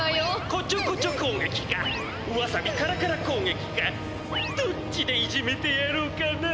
「こちょこちょこうげきかわさびカラカラこうげきかどっちでいじめてやろうかな」。